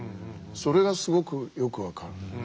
それがすごくよく分かる。